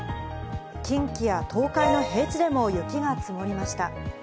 近畿や東海の平地でも雪が積もりました。